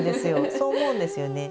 そう思うんですよね。